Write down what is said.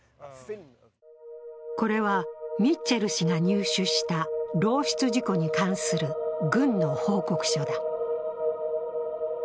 これはミッチェル氏が入手した漏出事故に関する軍の報告書だ。